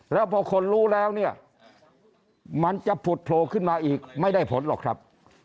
แล้วพอคนรู้แล้วเนี่ยมันจะผุดโผล่ขึ้นมาอีกไม่ได้ผลหรอกครับ